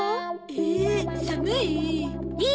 えっ寒い！